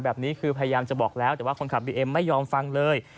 แบบนี้คือพยายามจะบอกแล้วแต่ว่าคนขับบีเอ็มไม่ยอมฟังเลย